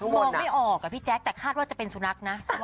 มองไม่ออกอะพี่แจ๊คแต่คาดว่าจะเป็นสุนัขนะ